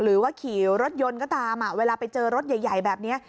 หรือว่าขี่รถยนต์ก็ตามเวลาไปเจอรถใหญ่แบบนี้